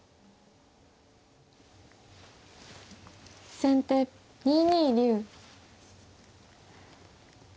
先手２二竜。